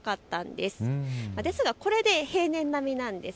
ですが、これで平年並みなんです。